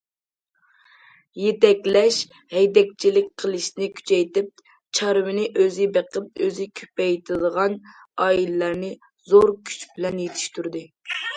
يېتەكلەش، ھەيدەكچىلىك قىلىشنى كۈچەيتىپ، چارۋىنى ئۆزى بېقىپ، ئۆزى كۆپەيتىدىغان ئائىلىلەرنى زور كۈچ بىلەن يېتىشتۈردى.